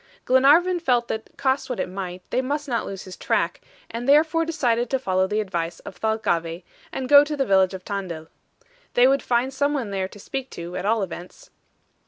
Glenarvan felt that, cost what it might, they must not lose his track, and therefore decided to follow the advice of Thalcave, and go to the village of Tandil. They would find some one there to speak to, at all events.